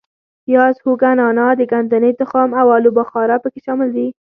پیاز، هوګه، نانا، د ګدنې تخم او آلو بخارا په کې شامل دي.